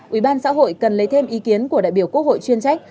ủy ban xã hội cần lấy thêm ý kiến của đại biểu quốc hội chuyên trách